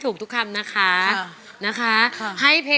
โอ้โฮ